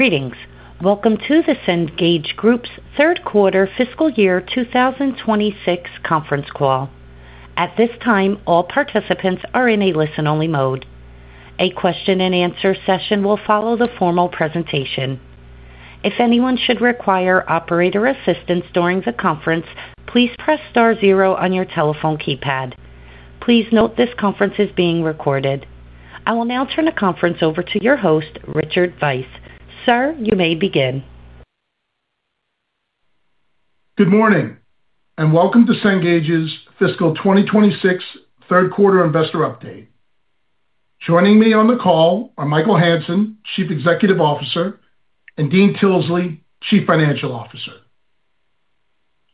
Greetings. Welcome to the Cengage Group's third quarter fiscal year 2026 conference call. At this time, all participants are in a listen-only mode. A question-and-answer session will follow the formal presentation. If anyone should require operator assistance during the conference, please press star zero on your telephone keypad. Please note this conference is being recorded. I will now turn the conference over to your host, Richard Veith. Sir, you may begin. Good morning, and welcome to Cengage's fiscal 2026 third quarter investor update. Joining me on the call are Michael Hansen, Chief Executive Officer, and Dean Tilsley, Chief Financial Officer.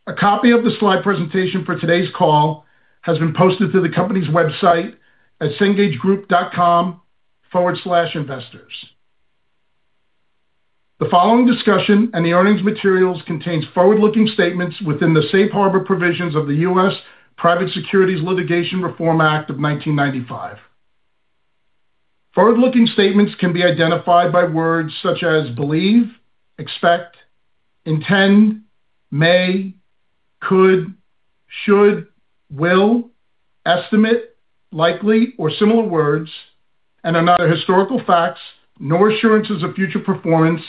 A copy of the slide presentation for today's call has been posted to the company's website at cengagegroup.com/investors. The following discussion and the earnings materials contains forward-looking statements within the Safe Harbor provisions of the U.S. Private Securities Litigation Reform Act of 1995. Forward-looking statements can be identified by words such as believe, expect, intend, may, could, should, will, estimate, likely, or similar words, and are neither historical facts nor assurances of future performance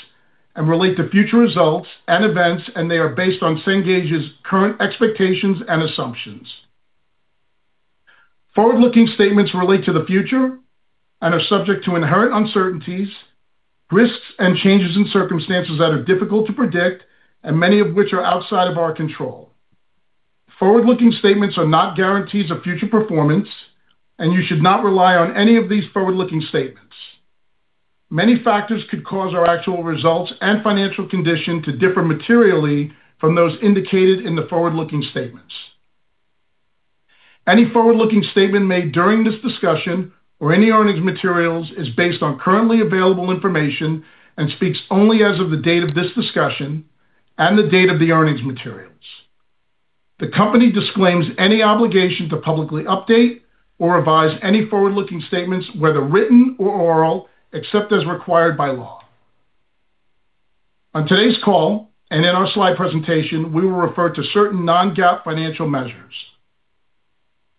and relate to future results and events, and they are based on Cengage's current expectations and assumptions. Forward-looking statements relate to the future and are subject to inherent uncertainties, risks, and changes in circumstances that are difficult to predict and many of which are outside of our control. Forward-looking statements are not guarantees of future performance, and you should not rely on any of these forward-looking statements. Many factors could cause our actual results and financial condition to differ materially from those indicated in the forward-looking statements. Any forward-looking statement made during this discussion or any earnings materials is based on currently available information and speaks only as of the date of this discussion and the date of the earnings materials. The company disclaims any obligation to publicly update or revise any forward-looking statements, whether written or oral, except as required by law. On today's call and in our slide presentation, we will refer to certain non-GAAP financial measures.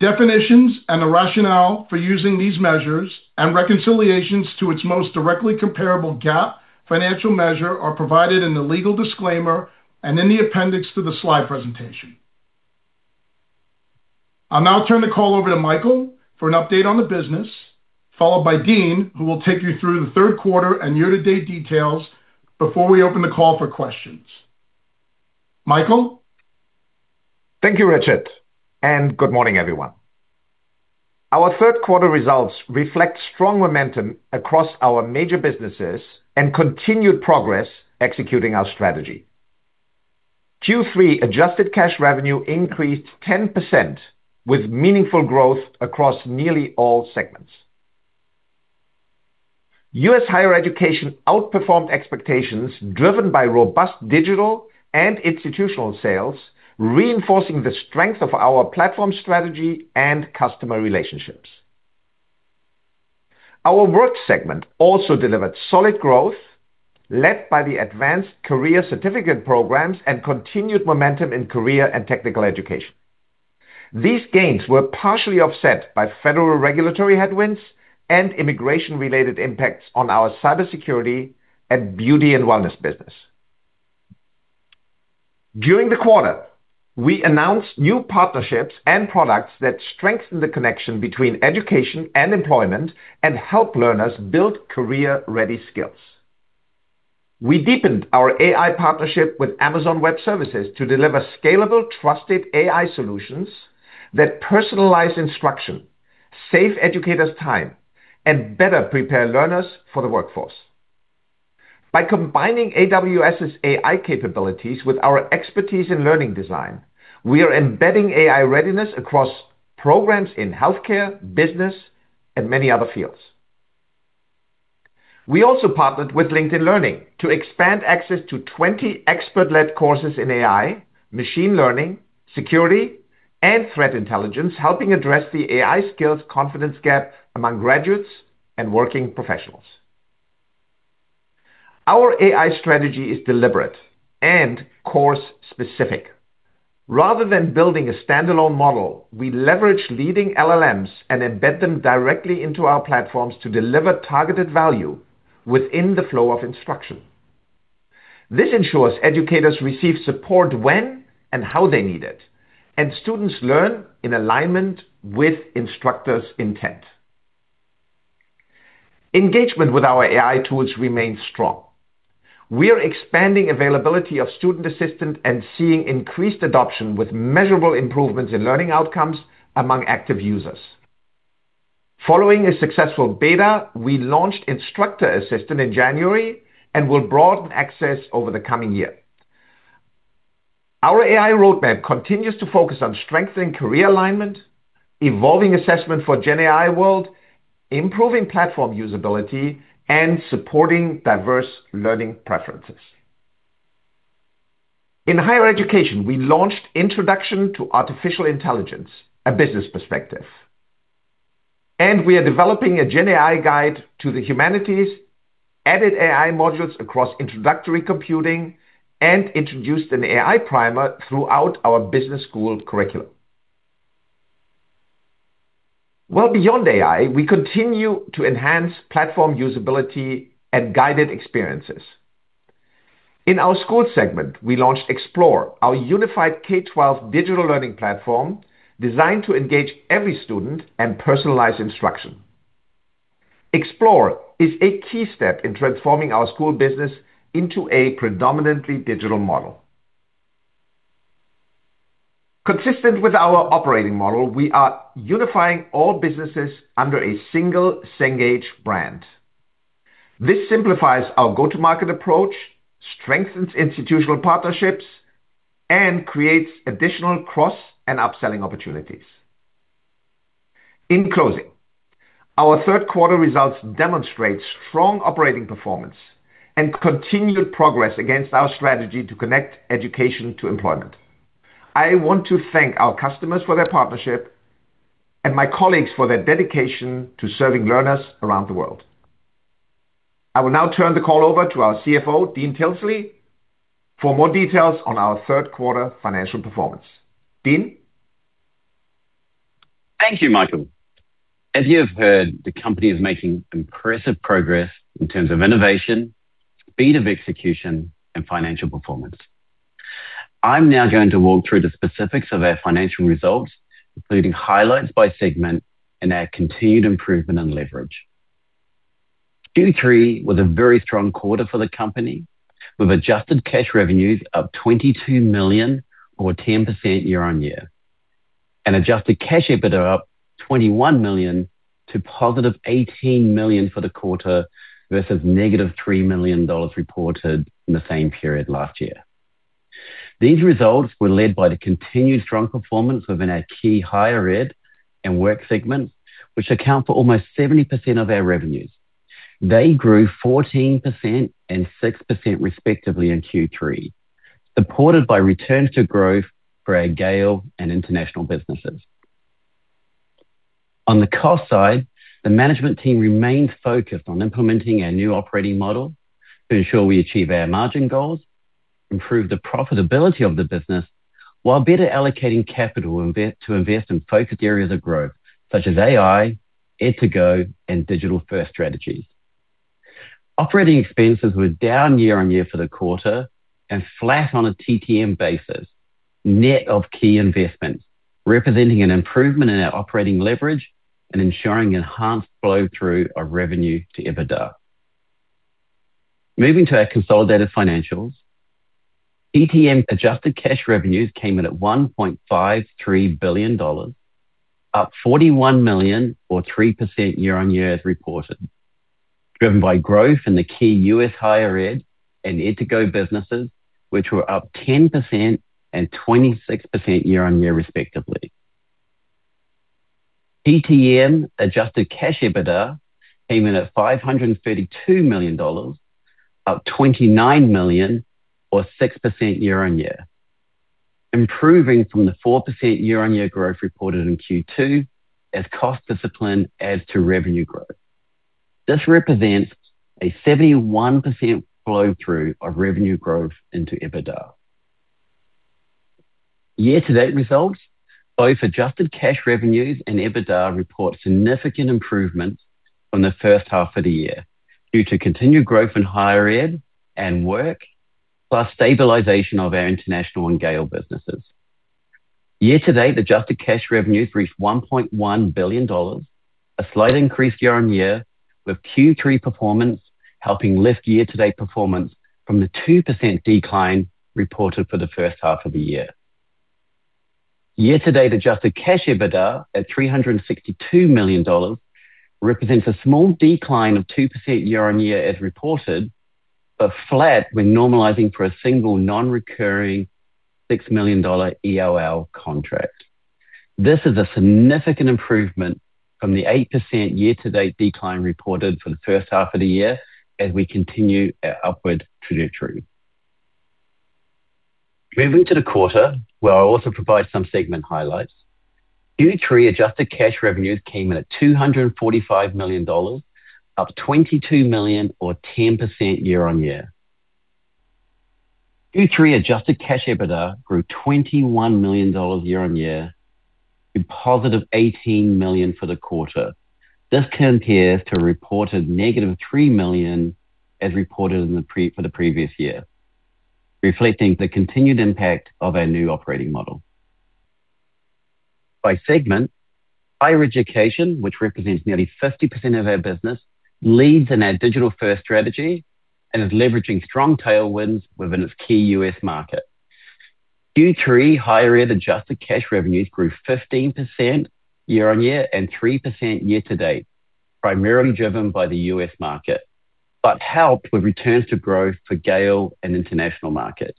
Definitions and the rationale for using these measures and reconciliations to its most directly comparable GAAP financial measure are provided in the legal disclaimer and in the appendix to the slide presentation. I'll now turn the call over to Michael for an update on the business, followed by Dean, who will take you through the third quarter and year-to-date details before we open the call for questions. Michael? Thank you, Richard, and good morning, everyone. Our third quarter results reflect strong momentum across our major businesses and continued progress executing our strategy. Q3 Adjusted Cash Revenue increased 10%, with meaningful growth across nearly all segments. U.S. higher education outperformed expectations, driven by robust digital and institutional sales, reinforcing the strength of our platform strategy and customer relationships. Our work segment also delivered solid growth, led by the advanced career certificate programs and continued momentum in career and technical education. These gains were partially offset by federal regulatory headwinds and immigration-related impacts on our cybersecurity and beauty and wellness business. During the quarter, we announced new partnerships and products that strengthen the connection between education and employment and help learners build career-ready skills. We deepened our AI partnership with Amazon Web Services to deliver scalable, trusted AI solutions that personalize instruction, save educators time, and better prepare learners for the workforce. By combining AWS's AI capabilities with our expertise in learning design, we are embedding AI readiness across programs in healthcare, business, and many other fields. We also partnered with LinkedIn Learning to expand access to 20 expert-led courses in AI, machine learning, security, and threat intelligence, helping address the AI skills confidence gap among graduates and working professionals. Our AI strategy is deliberate and course-specific. Rather than building a standalone model, we leverage leading LLMs and embed them directly into our platforms to deliver targeted value within the flow of instruction. This ensures educators receive support when and how they need it, and students learn in alignment with instructors' intent. Engagement with our AI tools remains strong. We are expanding availability of Student Assistant and seeing increased adoption, with measurable improvements in learning outcomes among active users. Following a successful beta, we launched Instructor Assistant in January and will broaden access over the coming year. Our AI roadmap continues to focus on strengthening career alignment, evolving assessment for Gen AI world, improving platform usability, and supporting diverse learning preferences. In higher education, we launched Introduction to Artificial Intelligence: A Business Perspective, and we are developing a Gen AI guide to the humanities, added AI modules across introductory computing, and introduced an AI primer throughout our business school curriculum. Well, beyond AI, we continue to enhance platform usability and guided experiences. In our school segment, we launched Explore, our unified K-12 digital learning platform, designed to engage every student and personalize instruction. Explore is a key step in transforming our school business into a predominantly digital model. Consistent with our operating model, we are unifying all businesses under a single Cengage brand. This simplifies our go-to-market approach, strengthens institutional partnerships, and creates additional cross and upselling opportunities. In closing, our third quarter results demonstrate strong operating performance and continued progress against our strategy to connect education to employment. I want to thank our customers for their partnership and my colleagues for their dedication to serving learners around the world. I will now turn the call over to our CFO, Dean Tilsley, for more details on our third quarter financial performance. Dean? Thank you, Michael. As you have heard, the company is making impressive progress in terms of innovation, speed of execution, and financial performance. I'm now going to walk through the specifics of our financial results, including highlights by segment and our continued improvement and leverage. Q3 was a very strong quarter for the company, with adjusted cash revenues up $22 million or 10% year-on-year, and adjusted cash EBITDA up $21 million to positive $18 million for the quarter versus negative $3 million reported in the same period last year. These results were led by the continued strong performance within our key higher ed and work segments, which account for almost 70% of our revenues. They grew 14% and 6%, respectively, in Q3, supported by return to growth for our Gale and international businesses. On the cost side, the management team remains focused on implementing our new operating model to ensure we achieve our margin goals, improve the profitability of the business, while better allocating capital to invest in focused areas of growth such as AI, ed2go, and digital-first strategies. Operating expenses were down year-on-year for the quarter and flat on a TTM basis, net of key investments, representing an improvement in our operating leverage and ensuring enhanced flow-through of revenue to EBITDA. Moving to our consolidated financials. TTM adjusted cash revenues came in at $1.53 billion, up $41 million or 3% year-on-year as reported, driven by growth in the key U.S. higher ed and ed2go businesses, which were up 10% and 26% year-on-year, respectively. TTM adjusted cash EBITDA came in at $532 million, up $29 million or 6% year-over-year, improving from the 4% year-over-year growth reported in Q2 as cost discipline adds to revenue growth. This represents a 71% flow-through of revenue growth into EBITDA. Year to date results, both adjusted cash revenues and EBITDA report significant improvements from the first half of the year, due to continued growth in higher ed and work, plus stabilization of our international and Gale businesses. Year to date, adjusted cash revenues reached $1.1 billion, a slight increase year-over-year, with Q3 performance helping lift year to date performance from the 2% decline reported for the first half of the year. Year-to-date, adjusted cash EBITDA at $362 million represents a small decline of 2% year-on-year as reported, but flat when normalizing for a single non-recurring $6 million ELL contract. This is a significant improvement from the 8% year-to-date decline reported for the first half of the year as we continue our upward trajectory. Moving to the quarter, where I'll also provide some segment highlights. Q3 adjusted cash revenues came in at $245 million, up $22 million or 10% year-on-year. Q3 adjusted cash EBITDA grew $21 million year-on-year to positive $18 million for the quarter. This compares to a reported negative $3 million as reported in the prior year, reflecting the continued impact of our new operating model. By segment, higher education, which represents nearly 50% of our business, leads in our digital-first strategy and is leveraging strong tailwinds within its key U.S. market. Q3 higher ed adjusted cash revenues grew 15% year-on-year and 3% year-to-date, primarily driven by the U.S. market, but helped with returns to growth for Gale and international markets.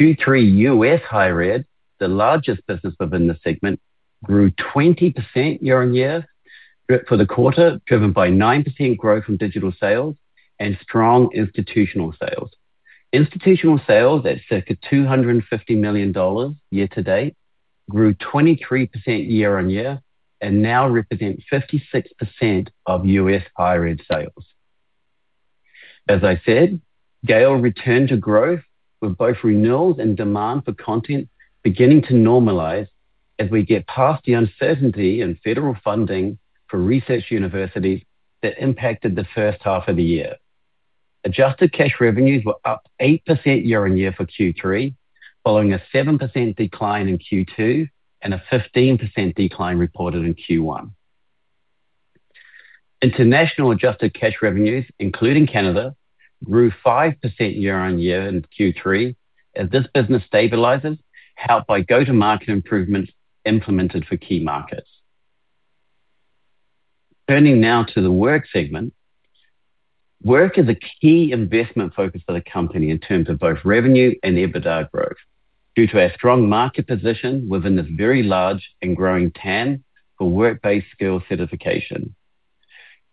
Q3 U.S. higher ed, the largest business within the segment, grew 20% year-on-year for the quarter, driven by 9% growth in digital sales and strong institutional sales. Institutional sales, at circa $250 million year-to-date, grew 23% year-on-year, and now represent 56% of U.S. higher ed sales. As I said, Gale returned to growth, with both renewals and demand for content beginning to normalize as we get past the uncertainty in federal funding for research universities that impacted the first half of the year. Adjusted cash revenues were up 8% year-on-year for Q3, following a 7% decline in Q2, and a 15% decline reported in Q1. International adjusted cash revenues, including Canada, grew 5% year-on-year in Q3, as this business stabilizes, helped by go-to-market improvements implemented for key markets. Turning now to the Work segment. Work is a key investment focus for the company in terms of both revenue and EBITDA growth, due to our strong market position within this very large and growing TAM for work-based skill certification.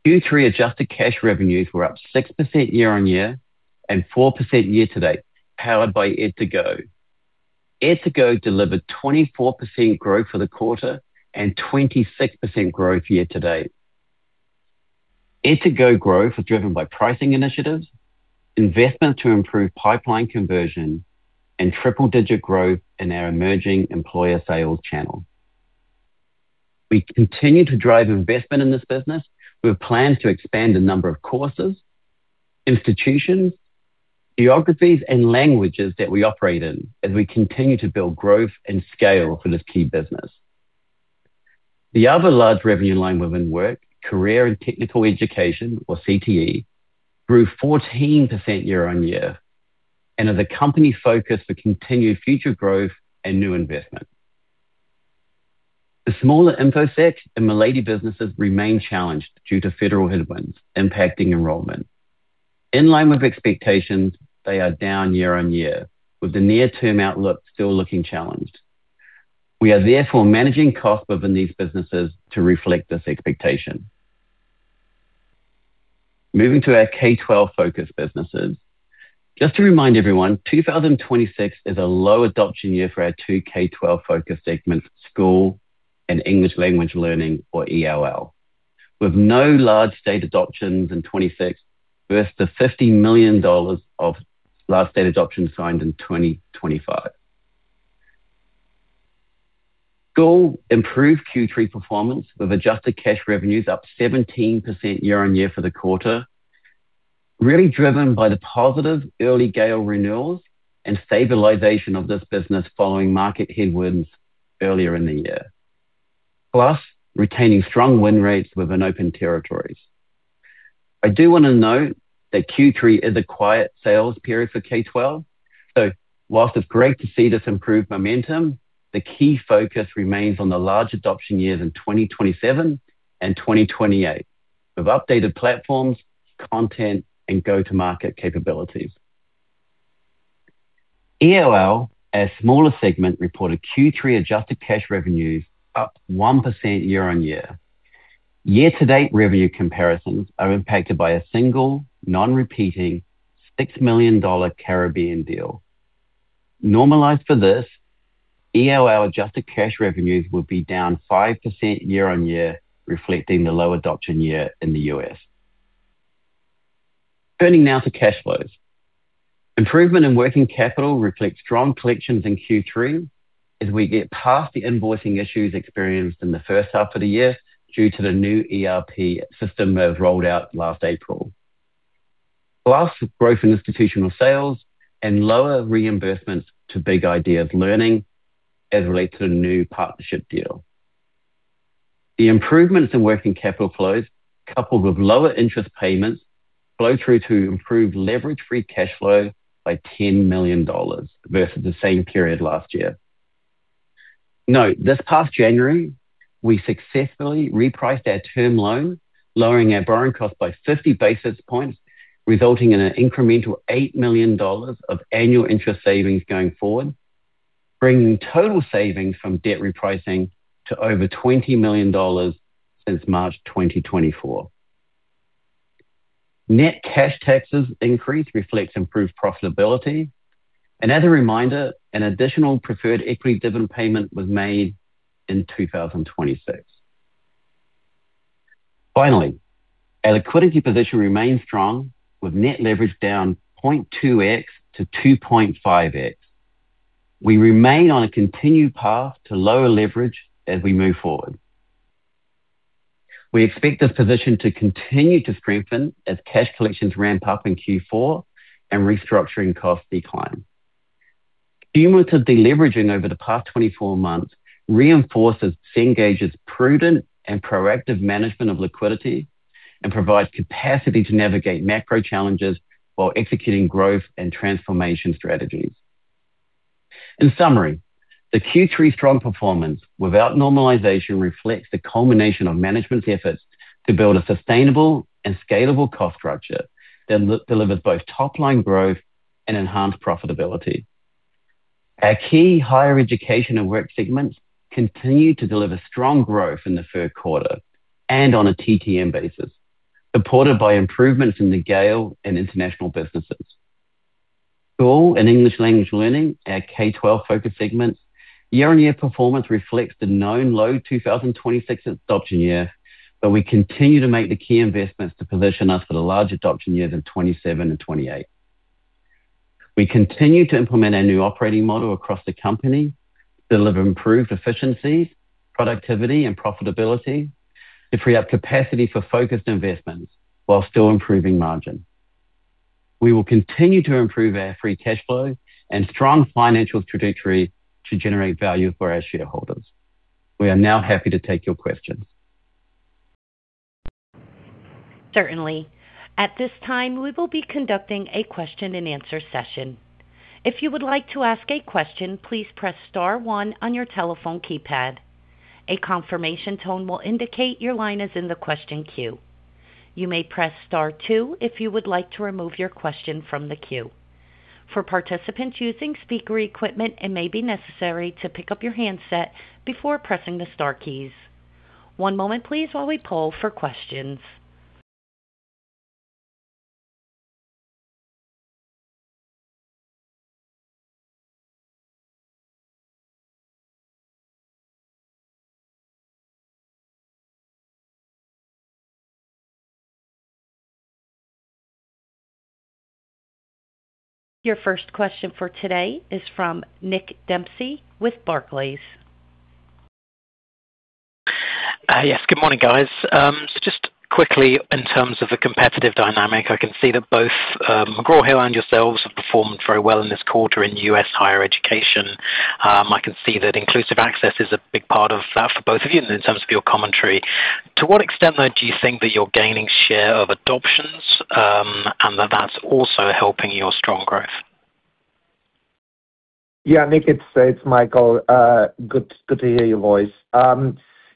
Q3 adjusted cash revenues were up 6% year-on-year, and 4% year-to-date, powered by ed2go. ed2go delivered 24% growth for the quarter and 26% growth year-to-date. ed2go growth was driven by pricing initiatives, investments to improve pipeline conversion, and triple-digit growth in our emerging employer sales channel. We continue to drive investment in this business. We have plans to expand the number of courses, institutions, geographies, and languages that we operate in as we continue to build growth and scale for this key business. The other large revenue line within Work, career and technical education or CTE, grew 14% year-over-year and are the company focus for continued future growth and new investment. The smaller Infosec and Milady businesses remain challenged due to federal headwinds impacting enrollment. In line with expectations, they are down year-over-year, with the near-term outlook still looking challenged. We are therefore managing costs within these businesses to reflect this expectation. Moving to our K-12 focused businesses. Just to remind everyone, 2026 is a low adoption year for our two K-12 focused segments, school and English language learning or ELL. With no large state adoptions in 2026, versus $50 million of large state adoptions signed in 2025. School improved Q3 performance with adjusted cash revenues up 17% year-over-year for the quarter, really driven by the positive early Gale renewals and stabilization of this business following market headwinds earlier in the year. Plus, retaining strong win rates within open territories. I do want to note that Q3 is a quiet sales period for K-12, so while it's great to see this improved momentum, the key focus remains on the large adoption years in 2027 and 2028. We've updated platforms, content, and go-to-market capabilities. ELL, our smaller segment, reported Q3 adjusted cash revenues up 1% year-over-year. Year-to-date revenue comparisons are impacted by a single non-recurring $60 million Caribbean deal. Normalized for this, ELL adjusted cash revenues will be down 5% year-on-year, reflecting the low adoption year in the U.S., Turning now to cash flows. Improvement in working capital reflects strong collections in Q3 as we get past the invoicing issues experienced in the first half of the year due to the new ERP system we've rolled out last April. Plus, growth in institutional sales and lower reimbursements to Big Ideas Learning as relates to the new partnership deal. The improvements in working capital flows, coupled with lower interest payments, flow through to improved leverage free cash flow by $10 million versus the same period last year. Note, this past January, we successfully repriced our term loan, lowering our borrowing cost by 50 basis points, resulting in an incremental $8 million of annual interest savings going forward, bringing total savings from debt repricing to over $20 million since March 2024. Net cash taxes increase reflects improved profitability, and as a reminder, an additional preferred equity dividend payment was made in 2026. Finally, our liquidity position remains strong, with net leverage down 0.2 times-2.5 times. We remain on a continued path to lower leverage as we move forward. We expect this position to continue to strengthen as cash collections ramp up in Q4 and restructuring costs decline. Cumulative deleveraging over the past 24 months reinforces Cengage's prudent and proactive management of liquidity and provides capacity to navigate macro challenges while executing growth and transformation strategies. In summary, the Q3 strong performance without normalization reflects the culmination of management's efforts to build a sustainable and scalable cost structure that delivers both top-line growth and enhance profitability. Our key higher education and work segments continue to deliver strong growth in the third quarter and on a TTM basis, supported by improvements in the Gale and international businesses. School and English language learning, our K-12 focus segments, year-on-year performance reflects the known low 2026 adoption year, but we continue to make the key investments to position us for the large adoption years of 2027 and 2028. We continue to implement our new operating model across the company, deliver improved efficiencies, productivity and profitability, to free up capacity for focused investments while still improving margin. We will continue to improve our free cash flow and strong financial trajectory to generate value for our shareholders. We are now happy to take your questions. Certainly. At this time, we will be conducting a question and answer session. If you would like to ask a question, please press star one on your telephone keypad. A confirmation tone will indicate your line is in the question queue. You may press star two if you would like to remove your question from the queue. For participants using speaker equipment, it may be necessary to pick up your handset before pressing the star keys. One moment please, while we poll for questions. Your first question for today is from Nick Dempsey with Barclays. Yes, good morning, guys. So just quickly, in terms of the competitive dynamic, I can see that both McGraw Hill and yourselves have performed very well in this quarter in U.S. higher education. I can see that Inclusive Access is a big part of that for both of you in terms of your commentary. To what extent, though, do you think that you're gaining share of adoptions, and that that's also helping your strong growth? Yeah, Nick, it's, it's Michael. Good, good to hear your voice.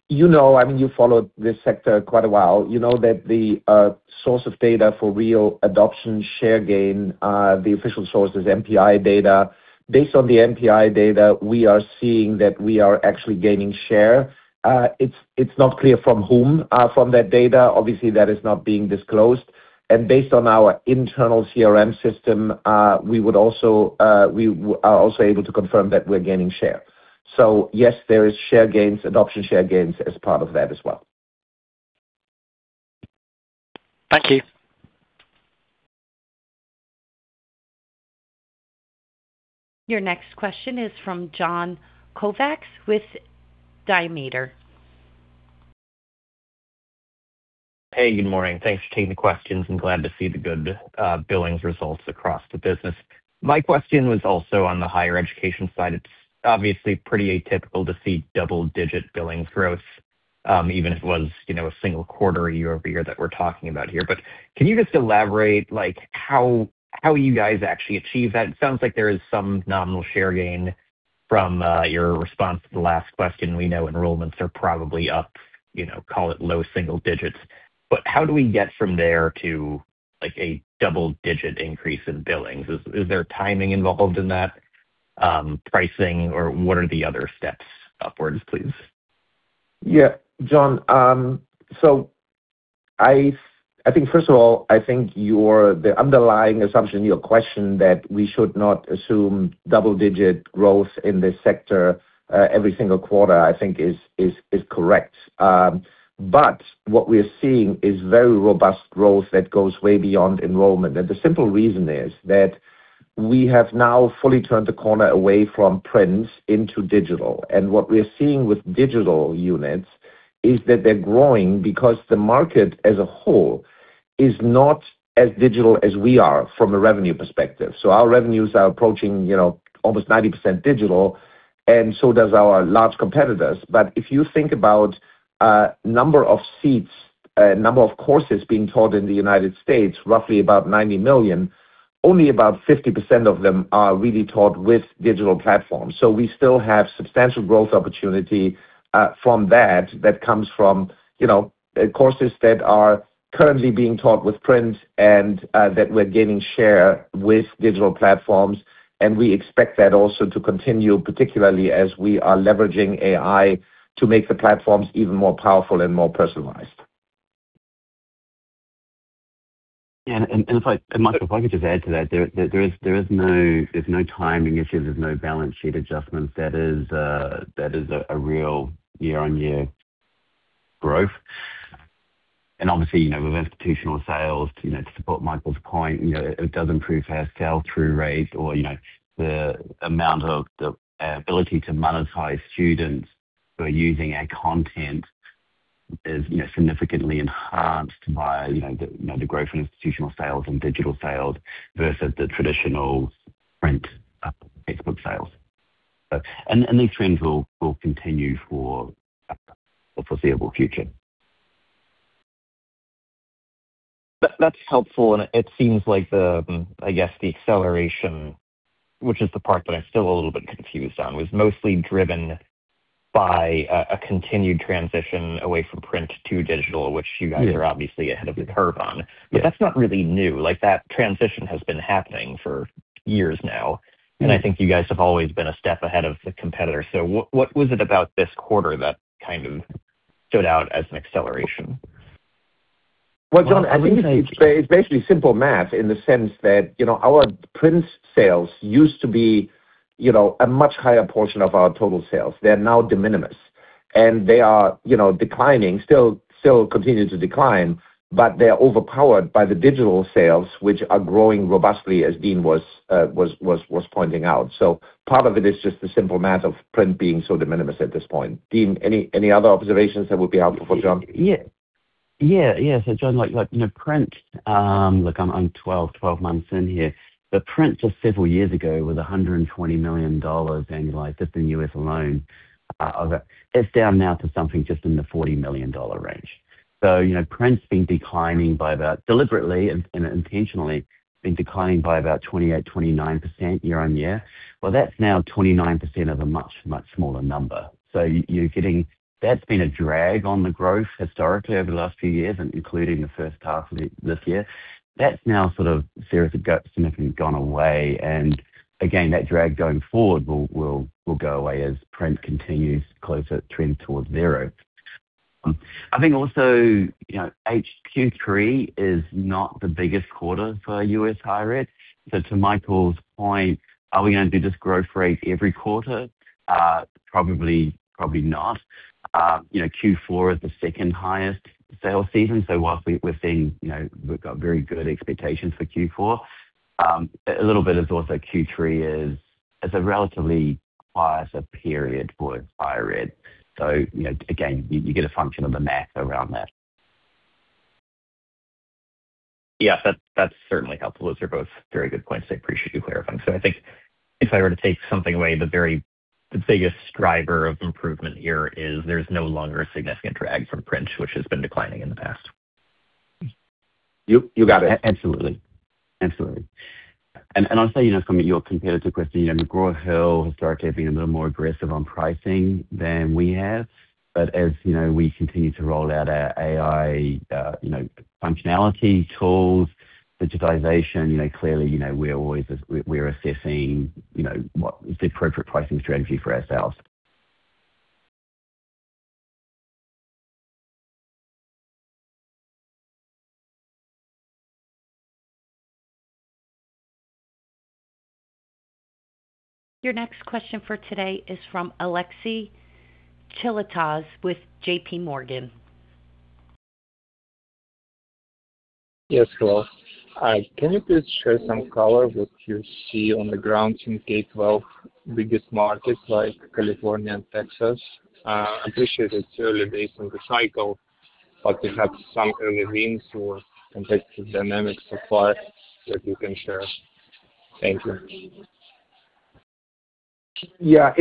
You know, I mean, you followed this sector quite a while. You know that the source of data for real adoption, share gain, the official source is MPI Data. Based on the MPI Data, we are seeing that we are actually gaining share. It's, it's not clear from whom, from that data. Obviously, that is not being disclosed. And based on our internal CRM system, we would also, we are also able to confirm that we're gaining share. So yes, there is share gains, adoption share gains as part of that as well. Thank you. Your next question is from John Kovacs with Diameter. Hey, good morning. Thanks for taking the questions. I'm glad to see the good billings results across the business. My question was also on the higher education side. It's obviously pretty atypical to see double-digit billing growth, even if it was, you know, a single quarter a year over year that we're talking about here. But can you just elaborate, like, how you guys actually achieve that? It sounds like there is some nominal share gain from your response to the last question. We know enrollments are probably up, you know, call it low single digits. But how do we get from there to, like, a double-digit increase in billings? Is there timing involved in that, pricing, or what are the other steps upwards, please? Yeah, John, so I think first of all, I think your underlying assumption in your question that we should not assume double-digit growth in this sector every single quarter, I think is correct. But what we are seeing is very robust growth that goes way beyond enrollment. And the simple reason is that we have now fully turned the corner away from print into digital. And what we are seeing with digital units is that they're growing because the market as a whole is not as digital as we are from a revenue perspective. So our revenues are approaching, you know, almost 90% digital, and so does our large competitors. But if you think about, number of seats, number of courses being taught in the United States, roughly about 90 million, only about 50% of them are really taught with digital platforms. So we still have substantial growth opportunity, from that, that comes from, you know, courses that are currently being taught with print and, that we're gaining share with digital platforms. And we expect that also to continue, particularly as we are leveraging AI to make the platforms even more powerful and more personalized. Yeah, and if I, Michael, if I could just add to that, there is no timing issues. There's no balance sheet adjustments. That is a real year-on-year growth. And obviously, you know, with institutional sales, you know, to support Michael's point, you know, it does improve our sell-through rates or, you know, the amount of the ability to monetize students who are using our content is, you know, significantly enhanced by, you know, the growth in institutional sales and digital sales versus the traditional print textbook sales. So, and these trends will continue for the foreseeable future. That's helpful, and it seems like the, I guess, the acceleration, which is the part that I'm still a little bit confused on, was mostly driven by a continued transition away from print to digital, which you guys are obviously ahead of the curve on. But that's not really new. Like, that transition has been happening for years now, and I think you guys have always been a step ahead of the competitor. So what, what was it about this quarter that kind of stood out as an acceleration? Well, John, I think it's basically simple math, in the sense that, you know, our print sales used to be, you know, a much higher portion of our total sales. They are now de minimis, and they are, you know, declining, still continuing to decline, but they are overpowered by the digital sales, which are growing robustly, as Dean was pointing out. So part of it is just the simple math of print being so de minimis at this point. Dean, any other observations that would be helpful for John? Yeah. Yeah, yeah. So John, like, like, you know, print, look, I'm 12 months in here, but print just several years ago was $120 million annualized just in the U.S. alone. It's down now to something just in the $40 million range. So, you know, print's been declining by about deliberately and intentionally been declining by about 28%-29% year-on-year. Well, that's now 29% of a much, much smaller number. So you're getting... That's been a drag on the growth historically, over the last few years, and including the first half of it, this year. That's now sort of significantly gone away, and again, that drag going forward will go away as print continues closer trends towards zero. I think also, you know, Q3 is not the biggest quarter for U.S. higher ed. So to Michael's point, are we gonna do this growth rate every quarter? Probably, probably not. You know, Q4 is the second highest sales season, so whilst we're, we're seeing, you know, we've got very good expectations for Q4, a little bit is also Q3 is, is a relatively quieter period for higher ed. So, you know, again, you, you get a function of the math around that. Yes, that's, that's certainly helpful. Those are both very good points. I appreciate you clarifying. So I think if I were to take something away, the very, the biggest driver of improvement here is there's no longer a significant drag from print, which has been declining in the past. You, you got it. Absolutely. Absolutely. And I'll say, you know, from your competitor question, you know, McGraw Hill historically has been a little more aggressive on pricing than we have. But as you know, we continue to roll out our AI, you know, functionality, tools, digitization, you know, clearly, you know, we're always assessing, you know, what is the appropriate pricing strategy for ourselves. Your next question for today is from Alexei Gogolev with JP Morgan. Yes, hello. Hi, can you please share some color what you see on the ground in K-12 biggest markets, like California and Texas? Appreciate it's early days in the cycle, but perhaps some early wins or competitive dynamics so far that you can share. Thank you. Yeah,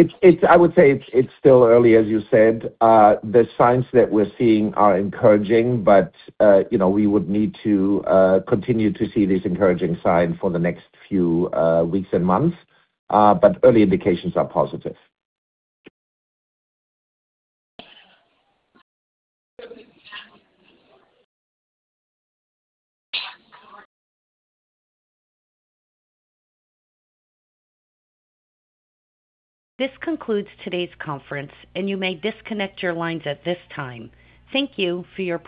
I would say it's still early, as you said. The signs that we're seeing are encouraging, but you know, we would need to continue to see these encouraging signs for the next few weeks and months. But early indications are positive. This concludes today's conference, and you may disconnect your lines at this time. Thank you for your participation.